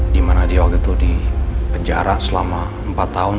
dimana dia waktu itu di penjara selama empat tahun